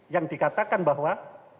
yang dikatakan bahwa